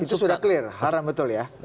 itu sudah clear haram betul ya